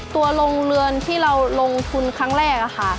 โรงเรือนที่เราลงทุนครั้งแรกค่ะ